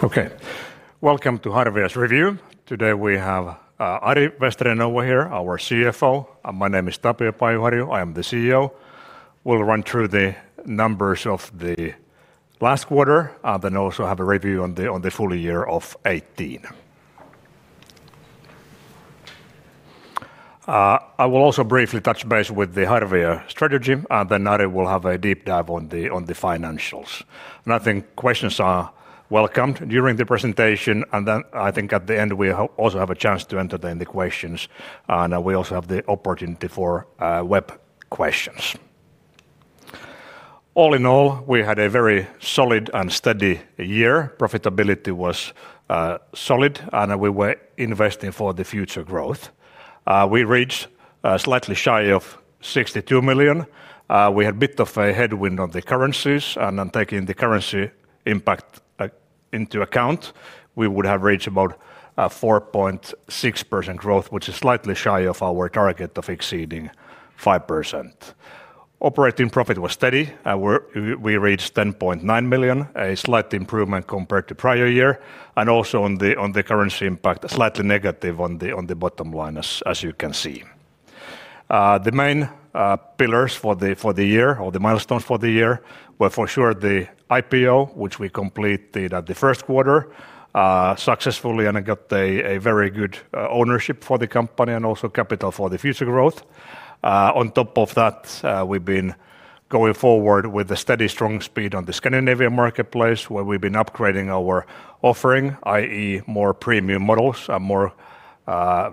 Okay. Welcome to Harvia's review. Today we have Ari Vesterinen over here, our CFO. My name is Tapio Pajuharju. I am the CEO. We'll run through the numbers of the last quarter, then also have a review on the full year of 2018. I will also briefly touch base with the Harvia strategy, and then Ari will have a deep dive on the financials. I think questions are welcomed during the presentation, and I think at the end we also have a chance to entertain the questions, and we also have the opportunity for web questions. All in all, we had a very solid and steady year. Profitability was solid, and we were investing for the future growth. We reached slightly shy of 62 million. We had a bit of a headwind on the currencies, and then taking the currency impact into account, we would have reached about 4.6% growth, which is slightly shy of our target of exceeding 5%. Operating profit was steady. We reached 10.9 million, a slight improvement compared to prior year, and also on the currency impact, slightly negative on the bottom line, as you can see. The main pillars for the year, or the milestones for the year, were for sure the IPO, which we completed the first quarter successfully, and it got a very good ownership for the company and also capital for the future growth. On top of that, we've been going forward with a steady, strong speed on the Scandinavian marketplace, where we've been upgrading our offering, i.e., more premium models and more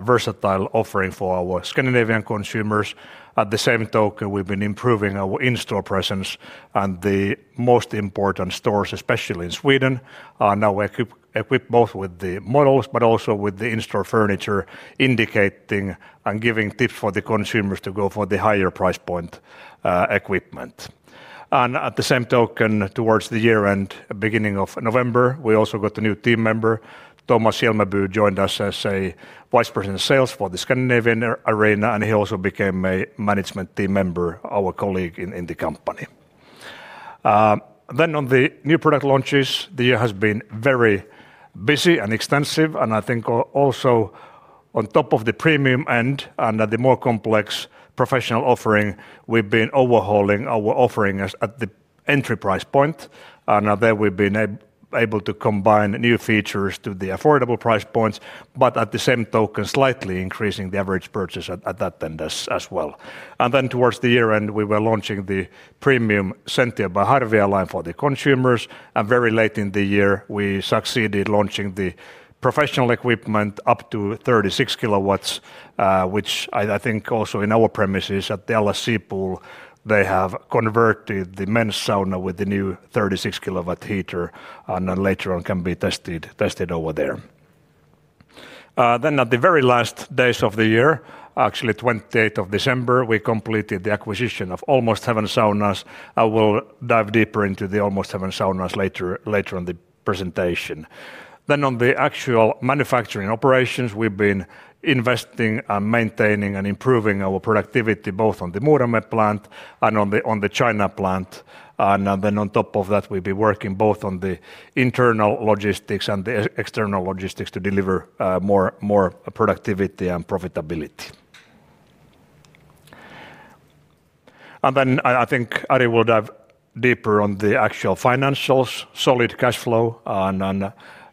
versatile offering for our Scandinavian consumers. At the same token, we've been improving our in-store presence, and the most important stores, especially in Sweden, are now equipped both with the models but also with the in-store furniture, indicating and giving tips for the consumers to go for the higher price point equipment. At the same token, towards the year-end, beginning of November, we also got a new team member. Thomas Hjalmeby joined us as a Vice President of Sales for the Scandinavian arena, and he also became a management team member, our colleague in the company. On the new product launches, the year has been very busy and extensive, and I think also on top of the premium end and the more complex professional offering, we've been overhauling our offering at the entry price point, and there we've been able to combine new features to the affordable price points, but at the same token, slightly increasing the average purchase at that end as well. Towards the year-end, we were launching the premium Sentia by Harvia line for the consumers, and very late in the year, we succeeded in launching the professional equipment up to 36 kilowatts, which I think also in our premises at the LSC pool, they have converted the men's sauna with the new 36 kilowatt heater, and later on can be tested over there. At the very last days of the year, actually 28th of December, we completed the acquisition of Almost Heaven Saunas. I will dive deeper into the Almost Heaven Saunas later on the presentation. On the actual manufacturing operations, we've been investing and maintaining and improving our productivity both on the Muurame plant and on the China plant, and on top of that, we've been working both on the internal logistics and the external logistics to deliver more productivity and profitability. I think Ari will dive deeper on the actual financials, solid cash flow, and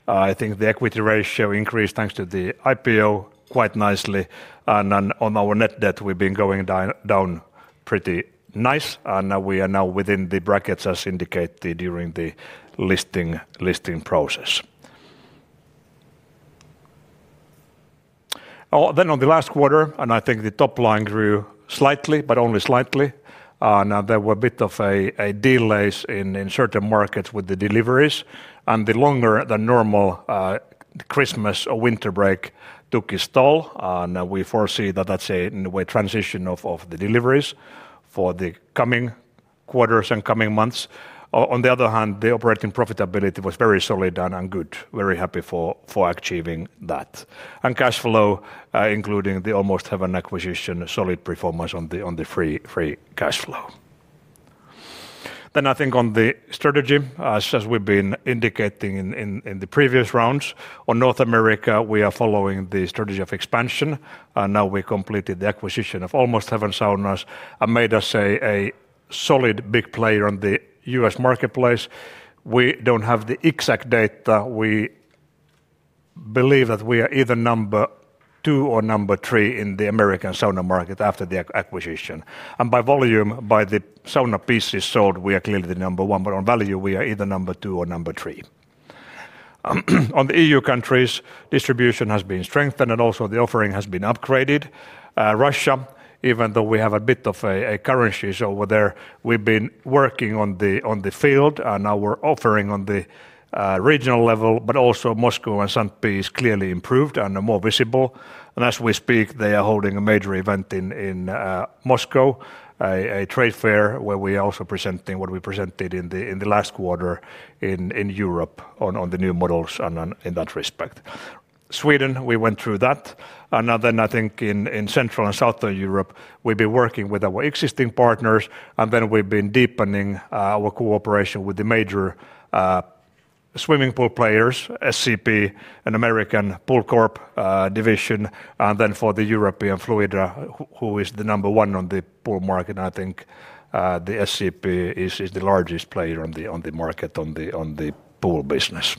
I think the equity ratio increased thanks to the IPO quite nicely, and on our net debt, we've been going down pretty nice, and we are now within the brackets as indicated during the listing process. On the last quarter, I think the top line grew slightly, but only slightly, and there were a bit of delays in certain markets with the deliveries, and the longer than normal Christmas or winter break took its toll. We foresee that that's a transition of the deliveries for the coming quarters and coming months. On the other hand, the operating profitability was very solid and good, very happy for achieving that. Cash flow, including the Almost Heaven acquisition, solid performance on the free cash flow. I think on the strategy, as we've been indicating in the previous rounds, on North America, we are following the strategy of expansion, and now we completed the acquisition of Almost Heaven Saunas and made us a solid big player on the U.S. marketplace. We don't have the exact data. We believe that we are either number two or number three in the American sauna market after the acquisition. By volume, by the sauna pieces sold, we are clearly the number one, but on value, we are either number two or number three. In the EU countries, distribution has been strengthened, and also the offering has been upgraded. Russia, even though we have a bit of currencies over there, we've been working on the field, and our offering on the regional level, but also Moscow and Saint Pie is clearly improved and more visible. As we speak, they are holding a major event in Moscow, a trade fair where we are also presenting what we presented in the last quarter in Europe on the new models and in that respect. Sweden, we went through that. I think in Central and Southern Europe, we've been working with our existing partners, and we've been deepening our cooperation with the major swimming pool players, SCP, an American Pool Corp division, and for the European Fluidra, who is the number one on the pool market. I think SCP is the largest player on the market in the pool business.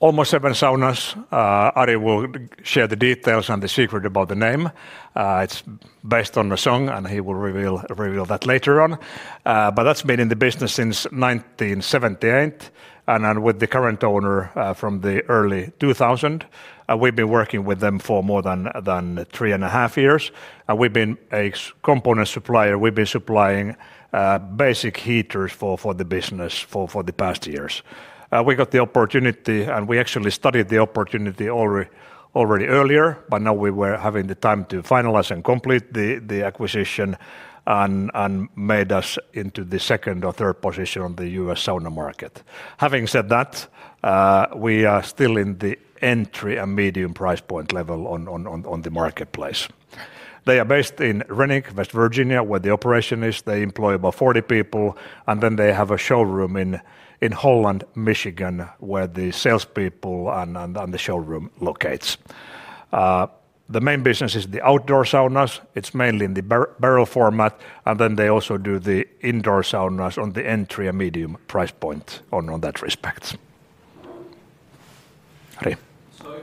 Almost Heaven Saunas, Ari will share the details and the secret about the name. It's based on a song, and he will reveal that later on. That's been in the business since 1978, and with the current owner from the early 2000s, we've been working with them for more than three and a half years. We've been a component supplier. We've been supplying basic heaters for the business for the past years. We got the opportunity, and we actually studied the opportunity already earlier, but now we were having the time to finalize and complete the acquisition and made us into the second or third position on the U.S. sauna market. Having said that, we are still in the entry and medium price point level on the marketplace. They are based in Renick, West Virginia, where the operation is. They employ about 40 people, and then they have a showroom in Holland, Michigan, where the salespeople and the showroom locates. The main business is the outdoor saunas. It's mainly in the barrel format, and then they also do the indoor saunas on the entry and medium price point on that respect. Ari.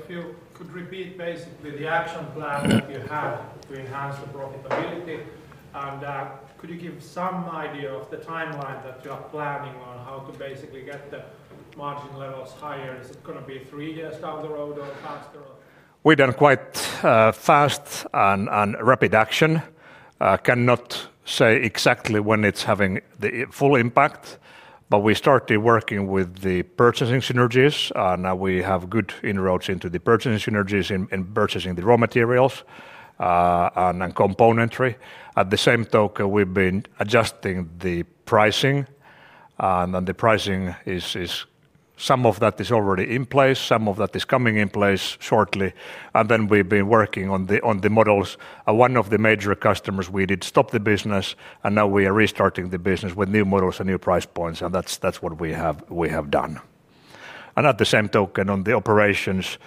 If you could repeat basically the action plan that you had to enhance the profitability, and could you give some idea of the timeline that you are planning on how to basically get the margin levels higher? Is it going to be three years down the road or faster? We've done quite fast and rapid action. I cannot say exactly when it's having the full impact, but we started working with the purchasing synergies, and we have good inroads into the purchasing synergies in purchasing the raw materials and componentry. At the same token, we've been adjusting the pricing, and the pricing is some of that is already in place, some of that is coming in place shortly, and then we've been working on the models. One of the major customers we did stop the business, and now we are restarting the business with new models and new price points, and that's what we have done. At the same token, on the operations,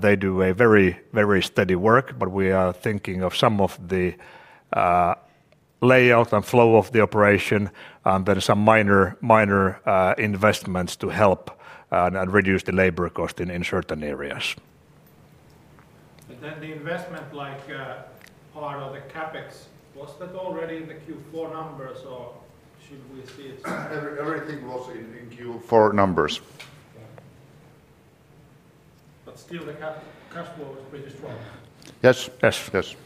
they do a very, very steady work, but we are thinking of some of the layout and flow of the operation, and then some minor investments to help and reduce the labor cost in certain areas. The investment part of the CapEx, was that already in the Q4 numbers, or should we see it? Everything was in Q4 numbers. Still, the cash flow was pretty strong. Yes, yes, yes.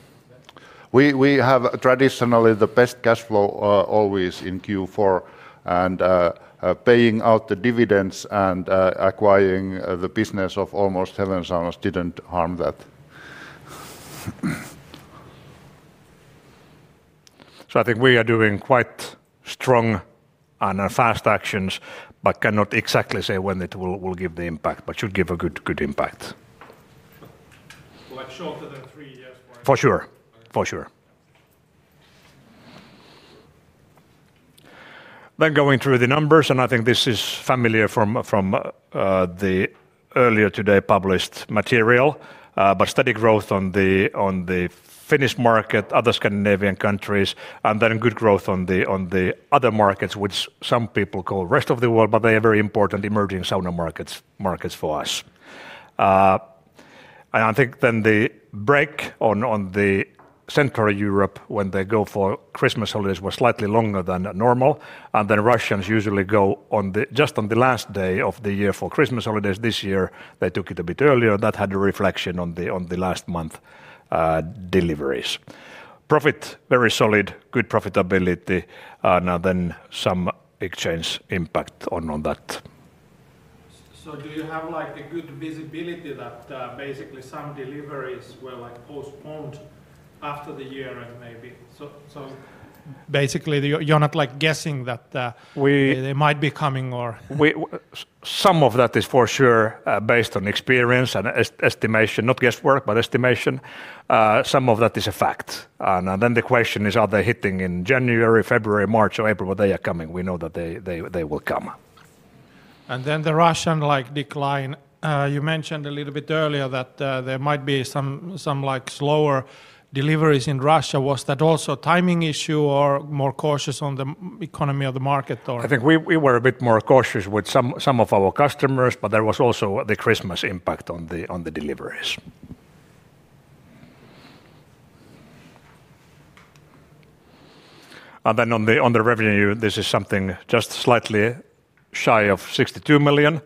We have traditionally the best cash flow always in Q4, and paying out the dividends and acquiring the business of Almost Heaven Saunas did not harm that. I think we are doing quite strong and fast actions, but cannot exactly say when it will give the impact, but should give a good impact. Like shorter than three years? For sure, for sure. Going through the numbers, and I think this is familiar from the earlier today published material, but steady growth on the Finnish market, other Scandinavian countries, and then good growth on the other markets, which some people call rest of the world, but they are very important emerging sauna markets for us. I think the break on Central Europe when they go for Christmas holidays was slightly longer than normal, and Russians usually go just on the last day of the year for Christmas holidays. This year they took it a bit earlier, and that had a reflection on the last month deliveries. Profit, very solid, good profitability, and then some exchange impact on that. Do you have like a good visibility that basically some deliveries were like postponed after the year-end maybe? Basically, you're not like guessing that they might be coming or? Some of that is for sure based on experience and estimation, not guesswork, but estimation. Some of that is a fact. The question is, are they hitting in January, February, March, or April, but they are coming. We know that they will come. The Russian decline, you mentioned a little bit earlier that there might be some like slower deliveries in Russia. Was that also a timing issue or more cautious on the economy of the market? I think we were a bit more cautious with some of our customers, but there was also the Christmas impact on the deliveries. On the revenue, this is something just slightly shy of 62 million,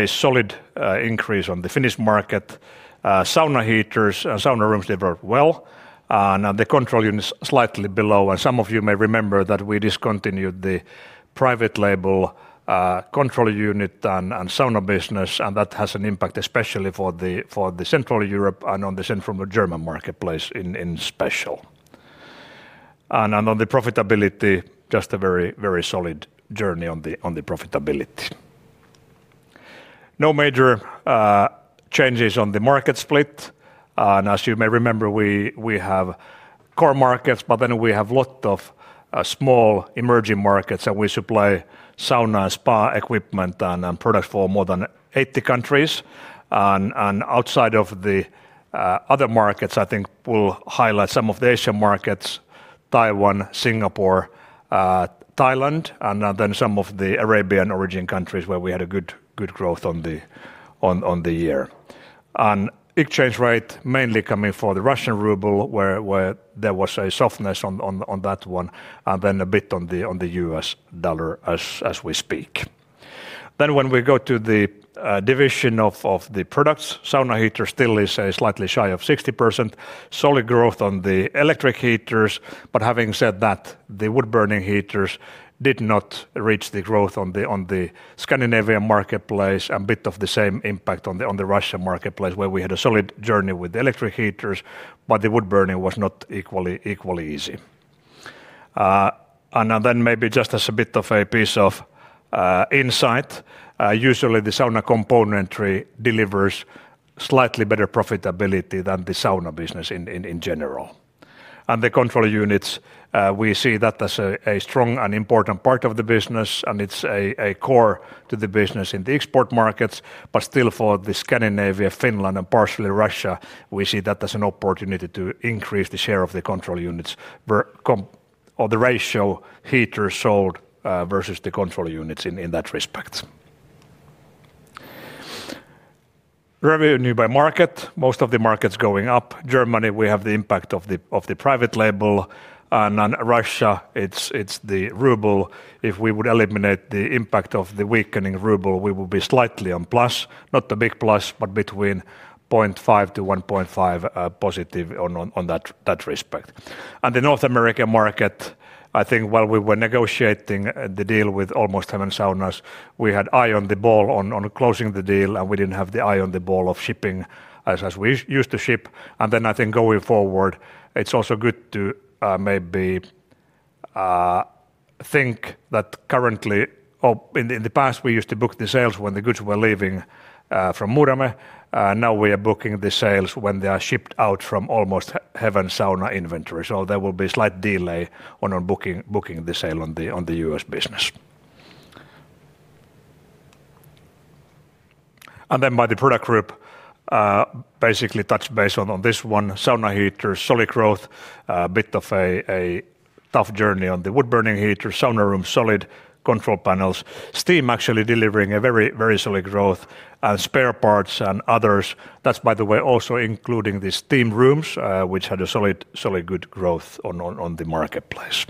a solid increase on the Finnish market. Sauna heaters and sauna rooms developed well, and the control unit is slightly below, and some of you may remember that we discontinued the private label control unit and sauna business, and that has an impact especially for Central Europe and on the Central German marketplace in special. On the profitability, just a very, very solid journey on the profitability. No major changes on the market split, and as you may remember, we have core markets, but then we have a lot of small emerging markets, and we supply sauna and spa equipment and products for more than 80 countries. Outside of the other markets, I think we'll highlight some of the Asian markets, Taiwan, Singapore, Thailand, and then some of the Arabian origin countries where we had good growth on the year. Exchange rate mainly coming for the Russian ruble, where there was a softness on that one, and then a bit on the US dollar as we speak. When we go to the division of the products, sauna heaters still is slightly shy of 60%, solid growth on the electric heaters, but having said that, the wood burning heaters did not reach the growth on the Scandinavian marketplace, and a bit of the same impact on the Russian marketplace where we had a solid journey with the electric heaters, but the wood burning was not equally easy. Maybe just as a bit of a piece of insight, usually the sauna componentry delivers slightly better profitability than the sauna business in general. The control units, we see that as a strong and important part of the business, and it is core to the business in the export markets, but still for Scandinavia, Finland, and partially Russia, we see that as an opportunity to increase the share of the control units or the ratio of heaters sold versus the control units in that respect. Revenue by market, most of the markets going up. Germany, we have the impact of the private label, and then Russia, it is the ruble. If we would eliminate the impact of the weakening ruble, we would be slightly on plus, not the big plus, but between 0.5-1.5 positive in that respect. The North American market, I think while we were negotiating the deal with Almost Heaven Saunas, we had eye on the ball on closing the deal, and we didn't have the eye on the ball of shipping as we used to ship. I think going forward, it's also good to maybe think that currently, in the past, we used to book the sales when the goods were leaving from Muurame, and now we are booking the sales when they are shipped out from Almost Heaven Saunas inventory. There will be a slight delay on booking the sale on the U.S. business. By the product group, basically touch base on this one, sauna heaters, solid growth, a bit of a tough journey on the wood burning heaters, sauna rooms, solid control panels, steam actually delivering a very, very solid growth, and spare parts and others. That's by the way also including the steam rooms, which had a solid, solid good growth on the marketplace.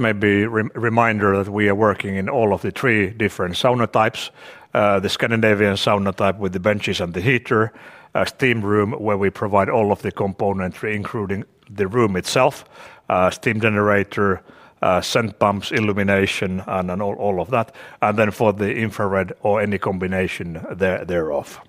Maybe a reminder that we are working in all of the three different sauna types, the Scandinavian sauna type with the benches and the heater, steam room where we provide all of the componentry including the room itself, steam generator, scent pumps, illumination, and all of that, and then for the infrared or any combination thereof.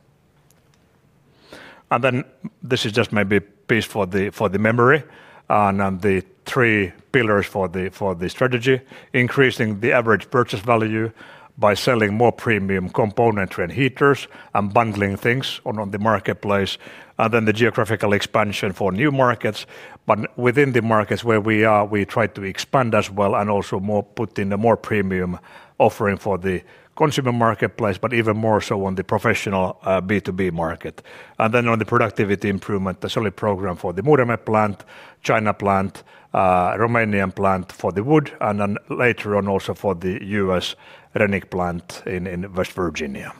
This is just maybe a piece for the memory and the three pillars for the strategy, increasing the average purchase value by selling more premium componentry and heaters and bundling things on the marketplace, and then the geographical expansion for new markets, but within the markets where we are, we try to expand as well and also put in a more premium offering for the consumer marketplace, but even more so on the professional B2B market. On the productivity improvement, a solid program for the Muurame plant, China plant, Romanian plant for the wood, and then later on also for the U.S. Renick plant in West Virginia.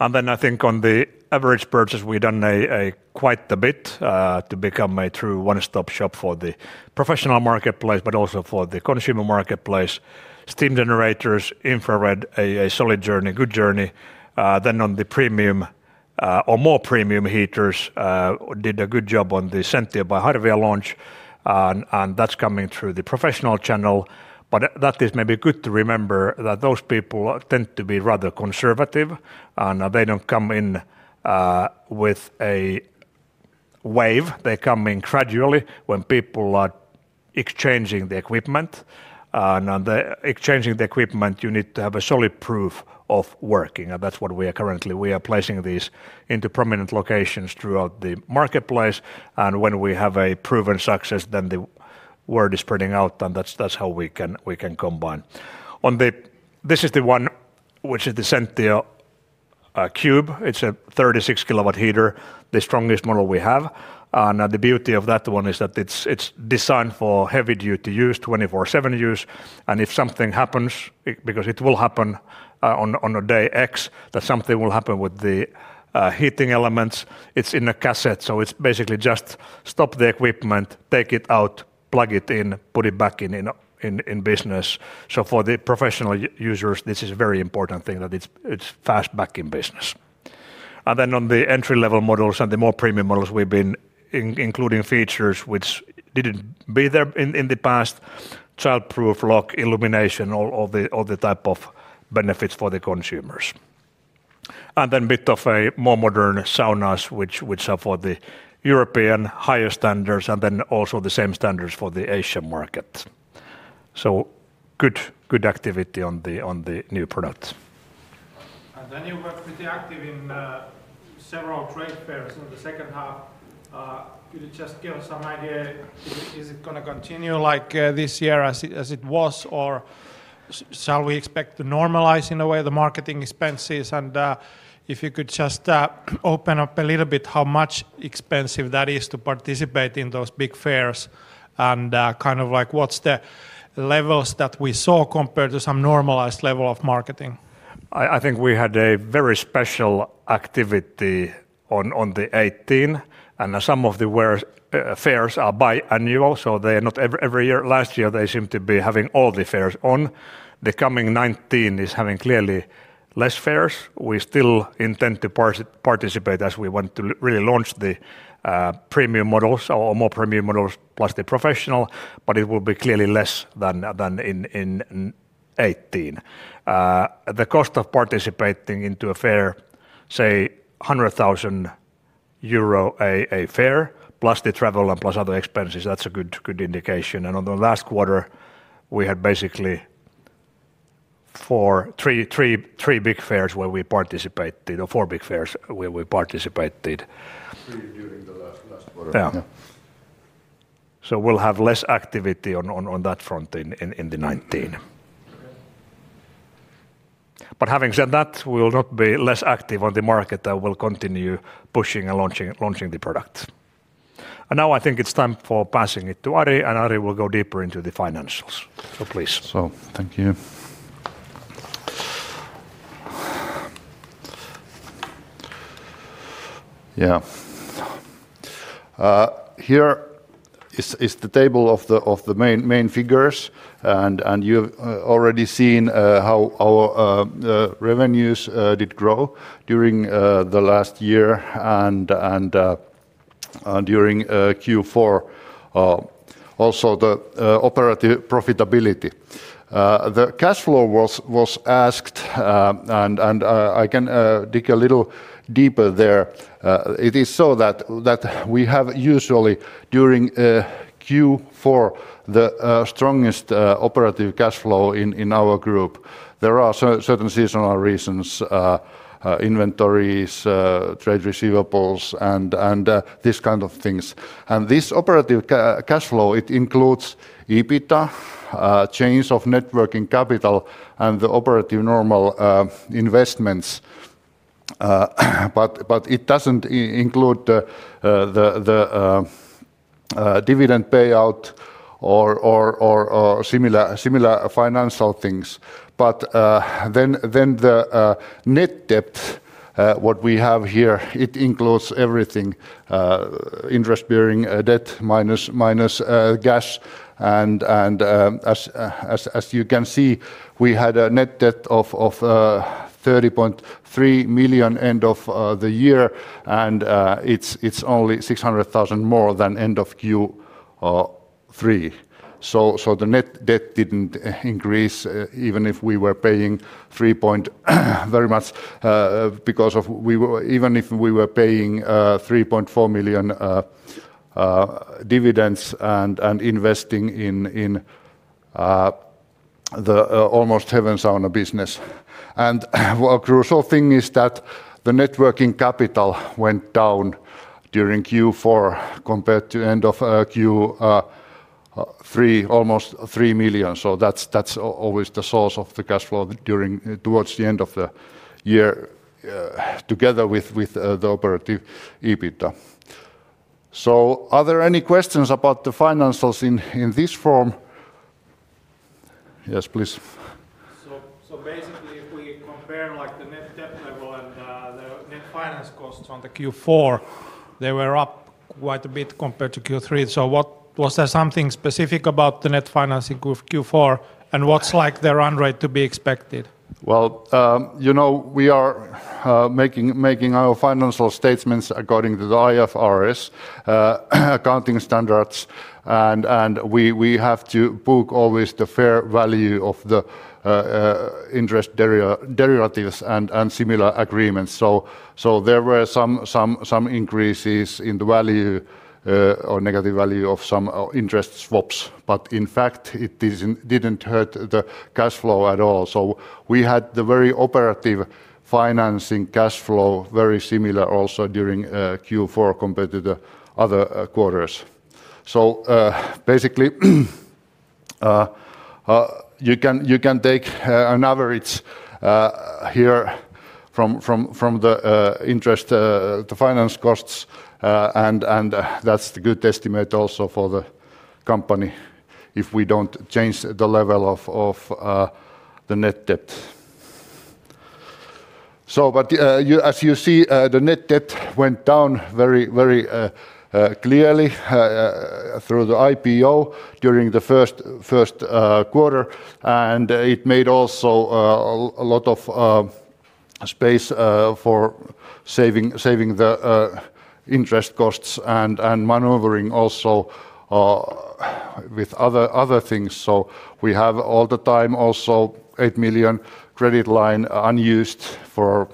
I think on the average purchase, we have done quite a bit to become a true one-stop shop for the professional marketplace, but also for the consumer marketplace, steam generators, infrared, a solid journey, good journey. On the premium or more premium heaters, did a good job on the Sentia by Harvia launch, and that's coming through the professional channel, but that is maybe good to remember that those people tend to be rather conservative, and they don't come in with a wave. They come in gradually when people are exchanging the equipment, and exchanging the equipment, you need to have a solid proof of working, and that's what we are currently. We are placing these into prominent locations throughout the marketplace, and when we have a proven success, then the word is spreading out, and that's how we can combine. This is the one which is the Sentia Cube. It's a 36 kilowatt heater, the strongest model we have, and the beauty of that one is that it's designed for heavy-duty use, 24/7 use, and if something happens, because it will happen on a day X, that something will happen with the heating elements, it's in a cassette, so it's basically just stop the equipment, take it out, plug it in, put it back in business. For the professional users, this is a very important thing that it's fast back in business. On the entry-level models and the more premium models, we've been including features which didn't be there in the past, childproof lock, illumination, all the type of benefits for the consumers. A bit of more modern saunas, which are for the European higher standards, and also the same standards for the Asian market. Good activity on the new products. You were pretty active in several trade fairs in the second half. Could you just give us some idea, is it going to continue like this year as it was, or shall we expect to normalize in a way the marketing expenses, and if you could just open up a little bit how much expensive that is to participate in those big fairs, and kind of like what's the levels that we saw compared to some normalized level of marketing? I think we had a very special activity on the 18th, and some of the fairs are bi-annual, so they are not every year. Last year, they seem to be having all the fairs on. The coming 2019 is having clearly less fairs. We still intend to participate as we want to really launch the premium models or more premium models plus the professional, but it will be clearly less than in 2018. The cost of participating into a fair, say, 100,000 euro a fair plus the travel and plus other expenses, that's a good indication. In the last quarter, we had basically three big fairs where we participated, or four big fairs where we participated. Three during the last quarter. Yeah. We will have less activity on that front in 2019. Having said that, we will not be less active on the market. I will continue pushing and launching the products. I think it is time for passing it to Ari, and Ari will go deeper into the financials. Please. Thank you. Yeah. Here is the table of the main figures, and you've already seen how our revenues did grow during the last year and during Q4. Also the operative profitability. The cash flow was asked, and I can dig a little deeper there. It is so that we have usually during Q4 the strongest operative cash flow in our group. There are certain seasonal reasons, inventories, trade receivables, and these kinds of things. This operative cash flow, it includes EBITDA, change of net working capital, and the operative normal investments, but it does not include the dividend payout or similar financial things. The net debt, what we have here, it includes everything, interest-bearing debt minus cash, and as you can see, we had a net debt of 30.3 million end of the year, and it is only 600,000 more than end of Q3. The net debt did not increase even if we were paying 3.0 million very much because of even if we were paying 3.4 million dividends and investing in the Almost Heaven Saunas business. The crucial thing is that the networking capital went down during Q4 compared to end of Q3, almost 3 million. That is always the source of the cash flow towards the end of the year together with the operative EBITDA. Are there any questions about the financials in this form? Yes, please. If we compare the net debt level and the net finance costs on the Q4, they were up quite a bit compared to Q3. Was there something specific about the net financing with Q4, and what's the run rate to be expected? You know we are making our financial statements according to the IFRS accounting standards, and we have to book always the fair value of the interest derivatives and similar agreements. There were some increases in the value or negative value of some interest swaps, but in fact, it did not hurt the cash flow at all. We had the very operative financing cash flow very similar also during Q4 compared to the other quarters. Basically, you can take an average here from the interest, the finance costs, and that is the good estimate also for the company if we do not change the level of the net debt. As you see, the net debt went down very clearly through the IPO during the first quarter, and it made also a lot of space for saving the interest costs and maneuvering also with other things. We have all the time also 8 million credit line unused for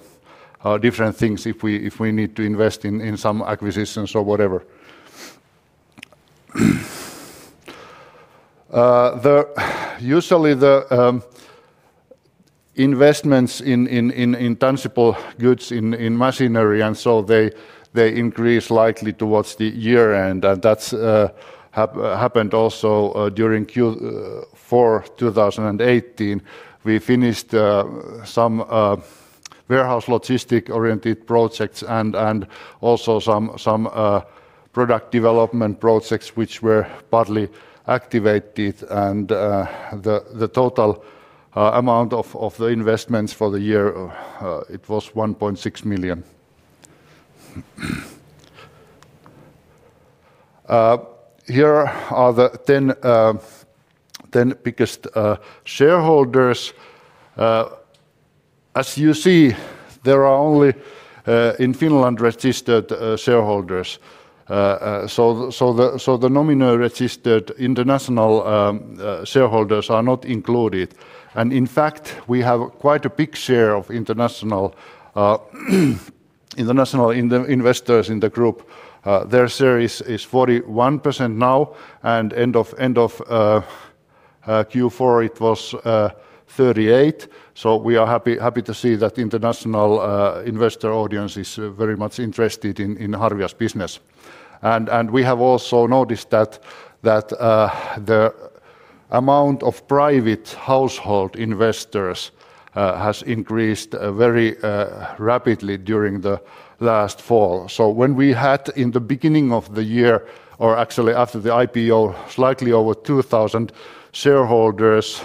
different things if we need to invest in some acquisitions or whatever. Usually, the investments in intangible goods, in machinery, and so they increase likely towards the year end, and that happened also during Q4 2018. We finished some warehouse logistic-oriented projects and also some product development projects which were partly activated, and the total amount of the investments for the year, it was 1.6 million. Here are the 10 biggest shareholders. As you see, there are only in Finland registered shareholders, so the nominal registered international shareholders are not included. In fact, we have quite a big share of international investors in the group. Their share is 41% now, and end of Q4 it was 38%, so we are happy to see that international investor audience is very much interested in Harvia's business. We have also noticed that the amount of private household investors has increased very rapidly during the last fall. When we had in the beginning of the year, or actually after the IPO, slightly over 2,000 shareholders,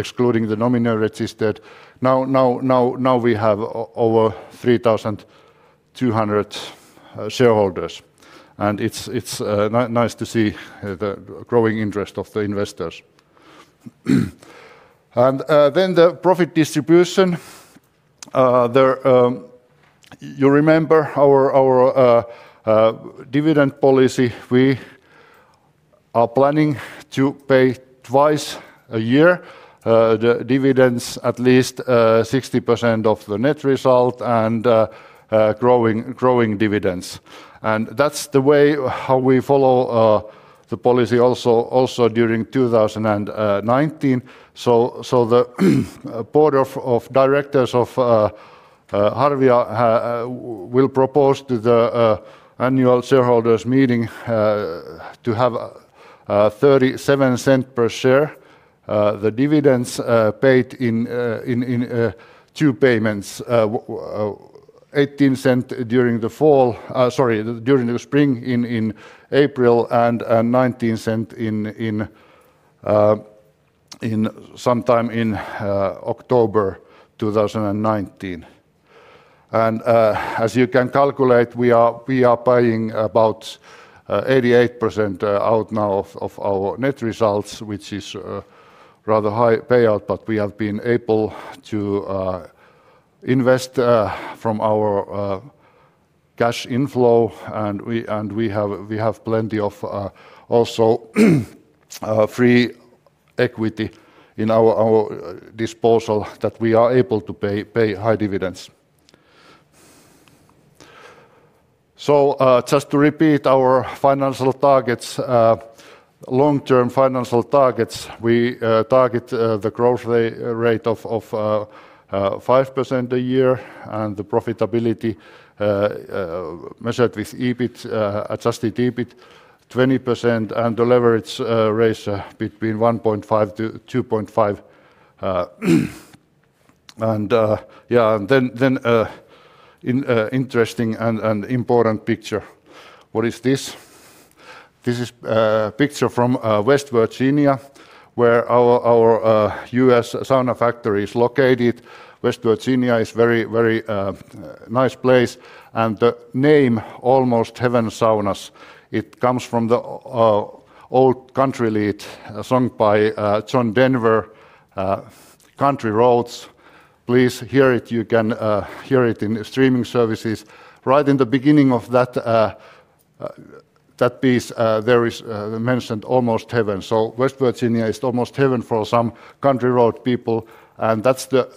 excluding the nominal registered, now we have over 3,200 shareholders, and it's nice to see the growing interest of the investors. The profit distribution, you remember our dividend policy. We are planning to pay twice a year the dividends, at least 60% of the net result, and growing dividends. That's the way how we follow the policy also during 2019. The Board of Directors of Harvia will propose to the annual shareholders' meeting to have 0.37 per share the dividends paid in two payments, EUR 0.18 during the spring in April, and 0.19 sometime in October 2019. As you can calculate, we are paying about 88% out now of our net results, which is a rather high payout, but we have been able to invest from our cash inflow, and we have plenty of also free equity in our disposal that we are able to pay high dividends. Just to repeat our financial targets, long-term financial targets, we target the growth rate of 5% a year, and the profitability measured with adjusted EBIT, 20%, and the leverage ratio between 1.5-2.5. Yeah, then an interesting and important picture. What is this? This is a picture from West Virginia where our US Sauna Factory is located. West Virginia is a very nice place, and the name Almost Heaven Saunas, it comes from the old country lead sung by John Denver, "Country Roads." Please hear it. You can hear it in streaming services. Right in the beginning of that piece, there is mentioned Almost Heaven. West Virginia is almost heaven for some country road people, and that's the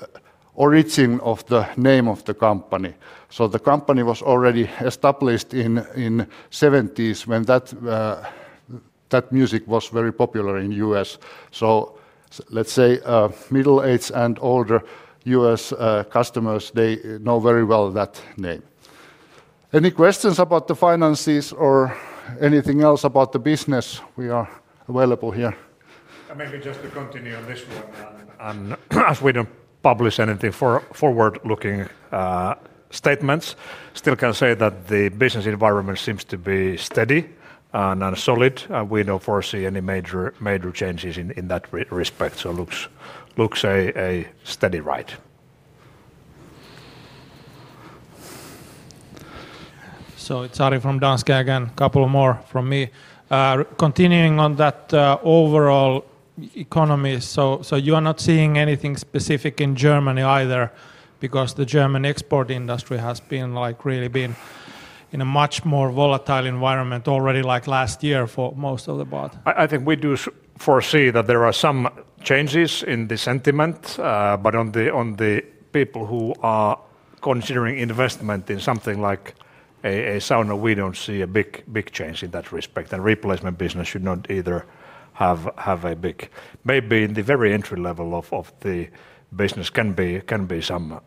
origin of the name of the company. The company was already established in the 1970s when that music was very popular in the U.S. Middle-aged and older U.S. customers, they know very well that name. Any questions about the finances or anything else about the business? We are available here. Maybe just to continue on this one. As we don't publish any forward-looking statements, still can say that the business environment seems to be steady and solid. We don't foresee any major changes in that respect, so it looks a steady ride. It's Ari from Danske again. A couple more from me. Continuing on that overall economy, you are not seeing anything specific in Germany either because the German export industry has been really in a much more volatile environment already like last year for most of the part. I think we do foresee that there are some changes in the sentiment, but on the people who are considering investment in something like a sauna, we do not see a big change in that respect. Replacement business should not either have a big, maybe in the very entry level of the business can be some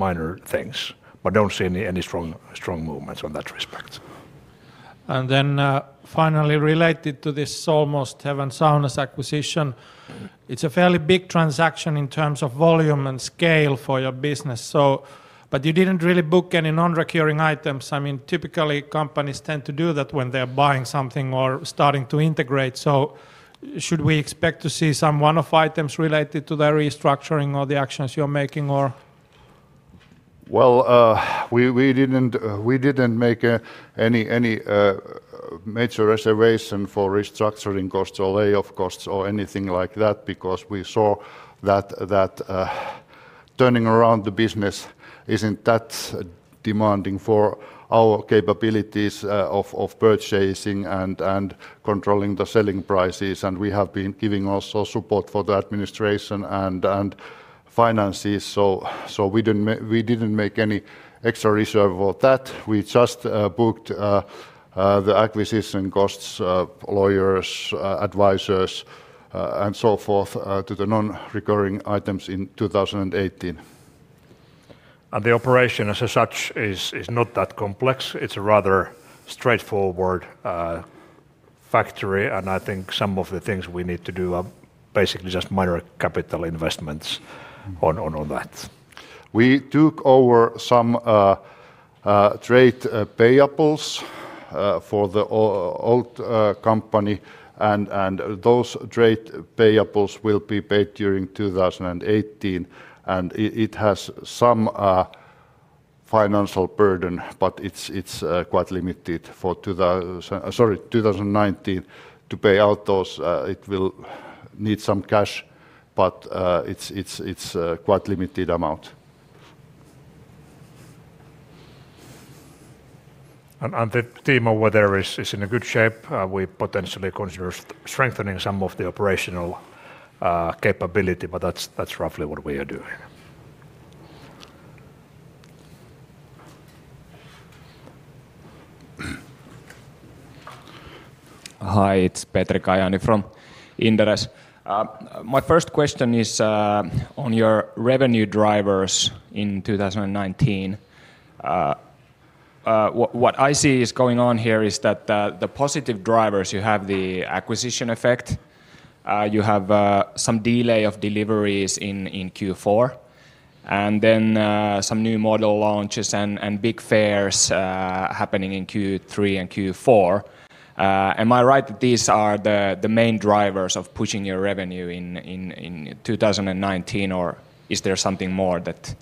minor things, but do not see any strong movements on that respect. Finally, related to this Almost Heaven Saunas acquisition, it's a fairly big transaction in terms of volume and scale for your business, but you didn't really book any non-recurring items. I mean, typically companies tend to do that when they're buying something or starting to integrate. Should we expect to see some one-off items related to the restructuring or the actions you're making or? We did not make any major reservation for restructuring costs or layoff costs or anything like that because we saw that turning around the business is not that demanding for our capabilities of purchasing and controlling the selling prices. We have been giving also support for the administration and finances, so we did not make any extra reserve for that. We just booked the acquisition costs, lawyers, advisors, and so forth to the non-recurring items in 2018. The operation as such is not that complex. It is a rather straightforward factory, and I think some of the things we need to do are basically just minor capital investments on that. We took over some trade payables for the old company, and those trade payables will be paid during 2018. It has some financial burden, but it is quite limited for 2019. To pay out those, it will need some cash, but it's quite a limited amount. The team over there is in good shape. We potentially consider strengthening some of the operational capability, but that's roughly what we are doing. Hi, it's Petri Kajaani from Inderes. My first question is on your revenue drivers in 2019. What I see is going on here is that the positive drivers, you have the acquisition effect, you have some delay of deliveries in Q4, and then some new model launches and big fairs happening in Q3 and Q4. Am I right that these are the main drivers of pushing your revenue in 2019, or is there something more that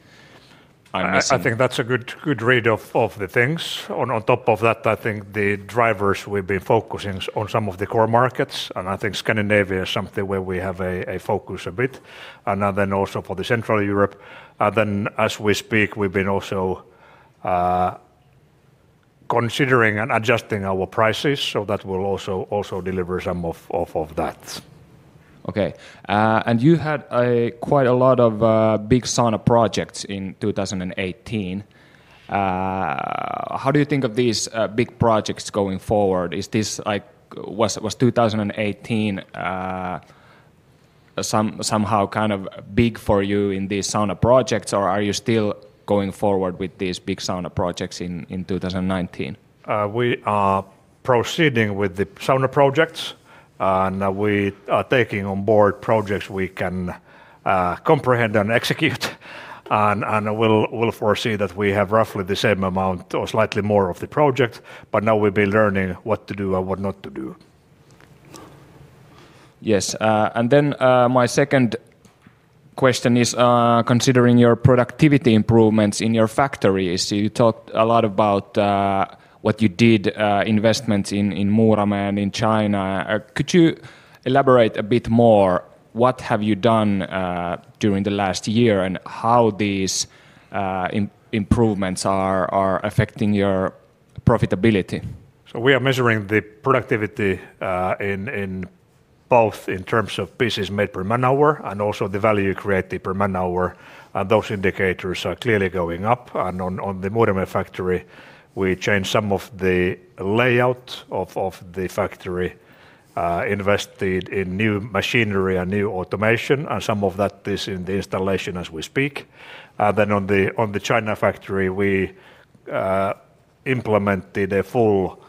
I'm missing? I think that's a good read of the things. On top of that, I think the drivers, we've been focusing on some of the core markets, and I think Scandinavia is something where we have a focus a bit, and then also for Central Europe. As we speak, we've been also considering and adjusting our prices, so that will also deliver some of that. Okay. You had quite a lot of big sauna projects in 2018. How do you think of these big projects going forward? Was 2018 somehow kind of big for you in these sauna projects, or are you still going forward with these big sauna projects in 2019? We are proceeding with the sauna projects, and we are taking on board projects we can comprehend and execute. We will foresee that we have roughly the same amount or slightly more of the project, but now we will be learning what to do and what not to do. Yes. My second question is considering your productivity improvements in your factories. You talked a lot about what you did, investments in Muurame and China. Could you elaborate a bit more? What have you done during the last year and how these improvements are affecting your profitability? We are measuring the productivity both in terms of business made per man hour and also the value created per man hour. Those indicators are clearly going up. On the Muurame factory, we changed some of the layout of the factory, invested in new machinery and new automation, and some of that is in the installation as we speak. On the China factory, we implemented a full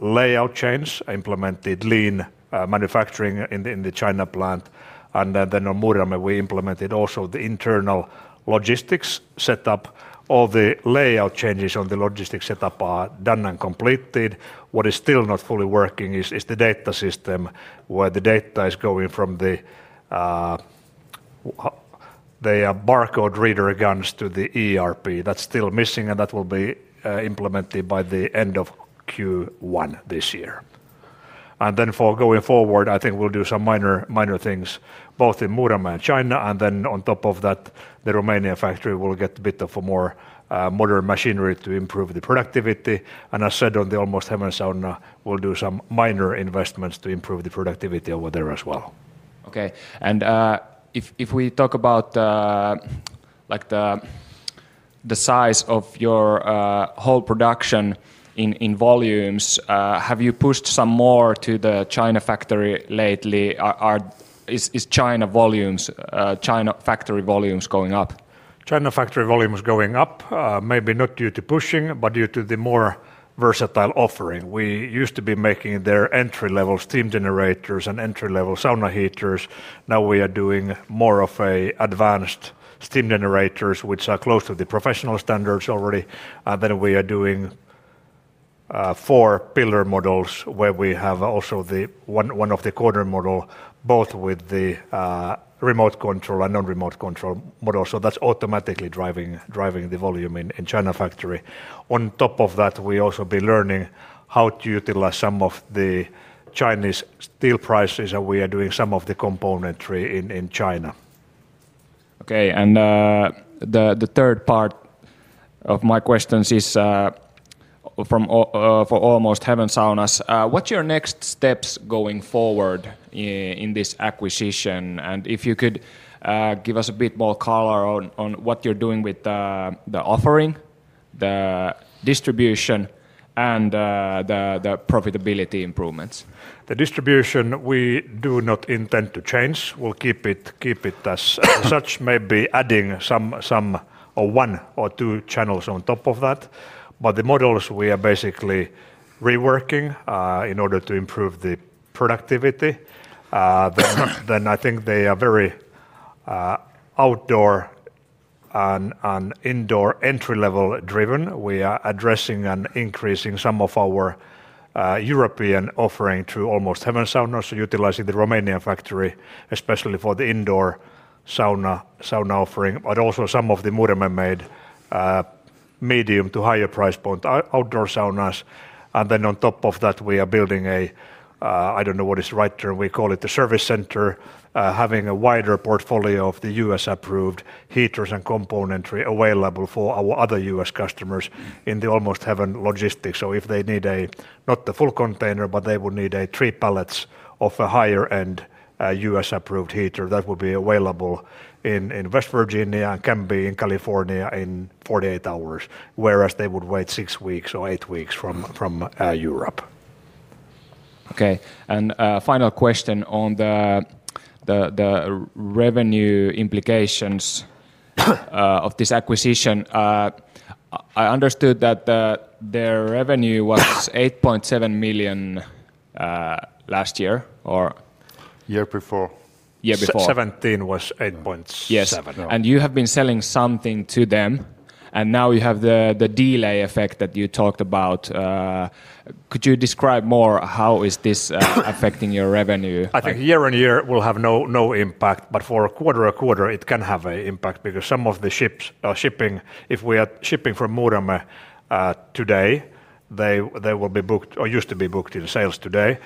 layout change, implemented lean manufacturing in the China plant, and on Muurame, we implemented also the internal logistics setup. All the layout changes on the logistics setup are done and completed. What is still not fully working is the data system where the data is going from the barcode reader guns to the ERP. That is still missing, and that will be implemented by the end of Q1 this year. For going forward, I think we'll do some minor things both in Muurame and China, and then on top of that, the Romania factory will get a bit of more modern machinery to improve the productivity. As said on the Almost Heaven Saunas, we'll do some minor investments to improve the productivity over there as well. Okay. If we talk about the size of your whole production in volumes, have you pushed some more to the China factory lately? Is China factory volumes going up? China factory volume is going up, maybe not due to pushing, but due to the more versatile offering. We used to be making their entry-level steam generators and entry-level sauna heaters. Now we are doing more of advanced steam generators, which are close to the professional standards already. We are doing four pillar models where we have also one of the corner models, both with the remote control and non-remote control models. That is automatically driving the volume in China factory. On top of that, we also be learning how to utilize some of the Chinese steel prices that we are doing some of the componentry in China. Okay. The third part of my questions is for Almost Heaven Saunas. What's your next steps going forward in this acquisition? If you could give us a bit more color on what you're doing with the offering, the distribution, and the profitability improvements. The distribution, we do not intend to change. We'll keep it as such, maybe adding one or two channels on top of that. The models we are basically reworking in order to improve the productivity. I think they are very outdoor and indoor entry-level driven. We are addressing and increasing some of our European offering to Almost Heaven Saunas, utilizing the Romania factory, especially for the indoor sauna offering, but also some of the Muurame-made medium to higher price point outdoor saunas. On top of that, we are building a, I don't know what is the right term, we call it the service center, having a wider portfolio of the US-approved heaters and componentry available for our other US customers in the Almost Heaven logistics. If they need a, not the full container, but they would need three pallets of a higher-end US-approved heater, that would be available in West Virginia and can be in California in 48 hours, whereas they would wait six weeks or eight weeks from Europe. Okay. Final question on the revenue implications of this acquisition. I understood that their revenue was 8.7 million last year or. Year before. Year before. 2017 was 8.7. Yes. You have been selling something to them, and now you have the delay effect that you talked about. Could you describe more how is this affecting your revenue? I think year on year will have no impact, but for quarter to quarter, it can have an impact because some of the shipping, if we are shipping from Muurame today, they will be booked or used to be booked in sales today.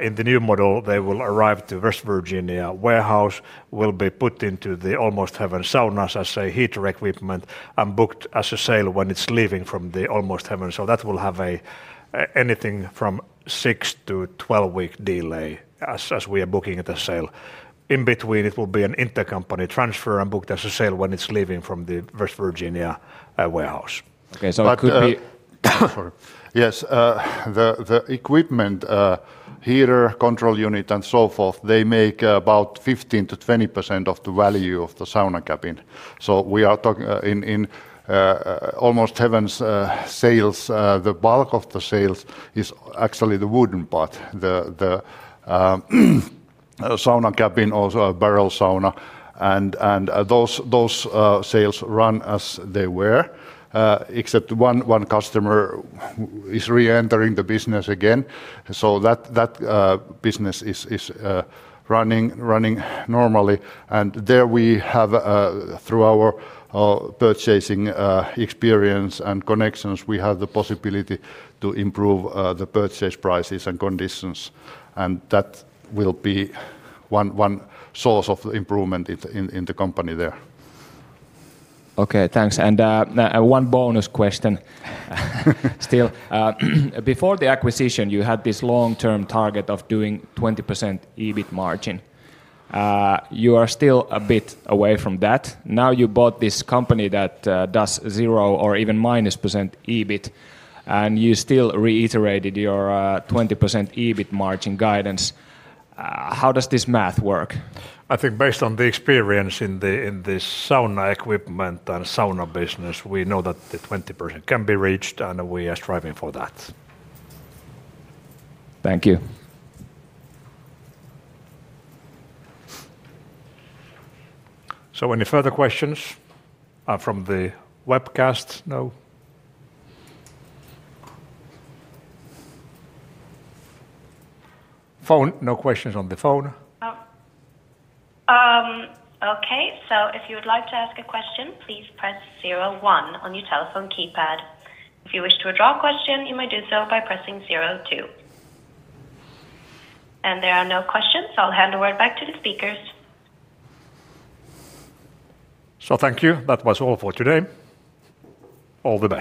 In the new model, they will arrive to West Virginia warehouse, will be put into the Almost Heaven Saunas as a heater equipment and booked as a sale when it's leaving from the Almost Heaven. That will have anything from 6-12 week delay as we are booking it as sale. In between, it will be an intercompany transfer and booked as a sale when it's leaving from the West Virginia warehouse. Okay. It could be. Yes. The equipment, heater, control unit, and so forth, they make about 15%-20% of the value of the sauna cabin. We are talking in Almost Heaven's sales, the bulk of the sales is actually the wooden part, the sauna cabin, also a barrel sauna. Those sales run as they were, except one customer is re-entering the business again. That business is running normally. There we have, through our purchasing experience and connections, the possibility to improve the purchase prices and conditions. That will be one source of improvement in the company there. Okay. Thanks. One bonus question still. Before the acquisition, you had this long-term target of doing 20% EBIT margin. You are still a bit away from that. Now you bought this company that does zero or even minus % EBIT, and you still reiterated your 20% EBIT margin guidance. How does this math work? I think based on the experience in the sauna equipment and sauna business, we know that the 20% can be reached, and we are striving for that. Thank you. Any further questions from the webcast? No. Phone, no questions on the phone. Okay. If you would like to ask a question, please press zero one on your telephone keypad. If you wish to withdraw a question, you may do so by pressing zero two. There are no questions. I'll hand the word back to the speakers. Thank you. That was all for today. All the best.